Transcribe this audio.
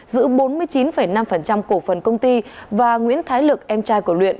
giữ bốn mươi chín năm cổ phần công ty và nguyễn thái lực em trai của luyện